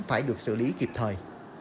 phải được xử lý kịp thời